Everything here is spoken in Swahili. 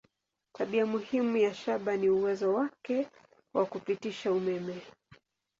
Tabia muhimu ya shaba ni uwezo wake wa kupitisha umeme.